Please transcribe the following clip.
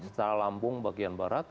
setelah lampung bagian barat